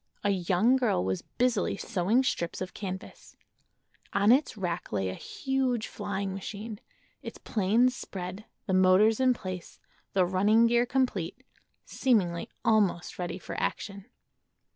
A young girl was busily sewing strips of canvas. On its rack lay a huge flying machine—its planes spread, the motors in place, the running gear complete—seemingly almost ready for action.